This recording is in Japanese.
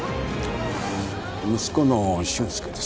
息子の俊介です。